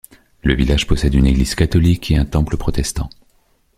Le village possède une église catholique et un temple protestant.